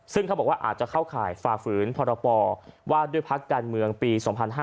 ซึ่งเขาบอกว่าอาจจะเข้าข่ายฝ่าฝืนพรปว่าด้วยพักการเมืองปี๒๕๕๙